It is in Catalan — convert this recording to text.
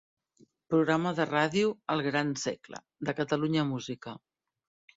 Programa de ràdio 'El gran segle', de Catalunya Música.